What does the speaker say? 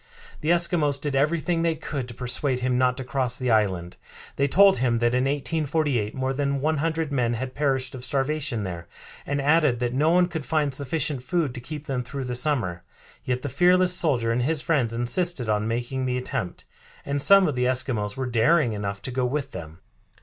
The Eskimos did everything they could to persuade him not to cross to the island. They told him that in 1848 more than one hundred men had perished of starvation there, and added that no one could find sufficient food to keep them through the summer. Yet the fearless soldier and his friends insisted on making the attempt, and some of the Eskimos were daring enough to go with them.